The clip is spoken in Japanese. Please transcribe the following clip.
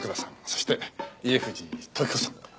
そして家藤時子さん。